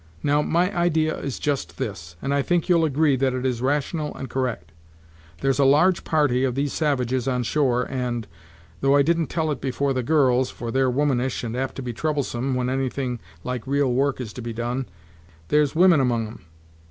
Now, my idea is just this; and I think you'll agree that it is rational and correct. There's a large party of these savages on shore and, though I didn't tell it before the girls, for they're womanish, and apt to be troublesome when anything like real work is to be done, there's women among 'em.